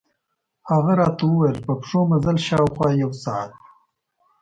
هغه راته ووېل په پښو مزل، شاوخوا یو ساعت.